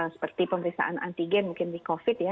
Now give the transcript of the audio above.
seperti pemeriksaan antigen mungkin di covid ya